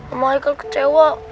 ama haikal kecewa